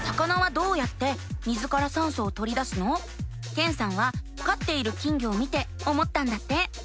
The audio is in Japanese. けんさんはかっている金魚を見て思ったんだって。